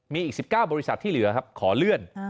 มีอีก๑๙บริษัทที่เหลือครับขอเลื่อน